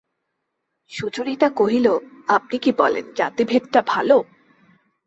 সুচরিতা কহিল, আপনি কি বলেন জাতিভেদটা ভালো?